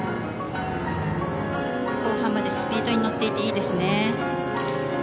後半までスピードに乗っていていいですね。